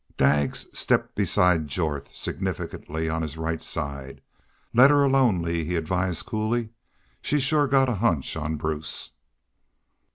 Daggs stepped beside Jorth, significantly on his right side. "Let her alone Lee," he advised, coolly. "She's shore got a hunch on Bruce."